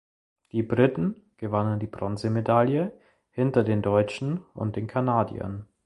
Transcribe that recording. Die Briten gewannen die Bronzemedaille hinter den Deutschen und den Kanadiern.